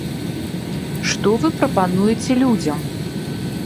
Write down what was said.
Што вы прапануеце людзям?